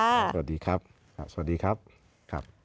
สวัสดีครับสวัสดีครับครับ